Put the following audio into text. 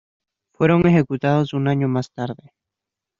Fueron ejecutados un año más tarde.